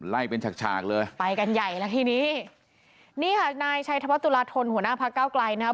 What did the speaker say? และชี้แจ้งต่างหน้านาว